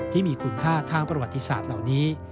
ที่มีคุณค่าทางประวัติศาสตร์เหล่านี้